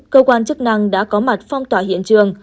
cơ quan chức năng đã có mặt phong tỏa hiện trường